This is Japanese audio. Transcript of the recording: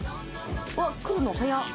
わっ来るの早っ。